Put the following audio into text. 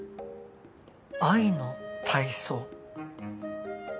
愛の体操。